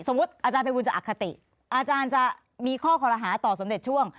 สมมุติอาจารย์เป็นบุญจะอคติอาจารย์จะมีข้อคอละหาต่อสำเร็จช่วง